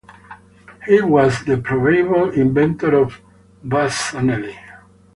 He was the probable inventor of bassanelli.